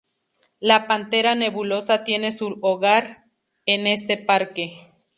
La pantera nebulosa tiene su hogar en este parque.